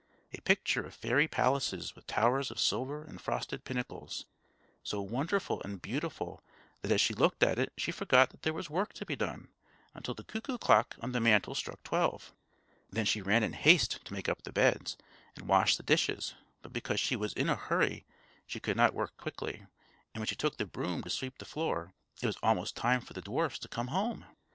A picture of fairy palaces with towers of silver and frosted pinnacles, so wonderful and beautiful that as she looked at it she forgot that there was work to be done, until the cuckoo clock on the mantel struck twelve. Then she ran in haste to make up the beds, and wash the dishes; but because she was in a hurry she could not work quickly, and when she took the broom to sweep the floor it was almost time for the dwarfs to come home.